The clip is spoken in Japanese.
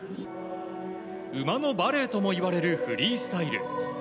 馬のバレエともいわれるフリースタイル。